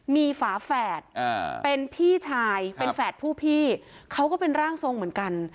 มีฝาแฝดเป็นพี่ชายเป็นแฝดผู้พี่เขาก็เป็นร่างทรงเหมือนกัน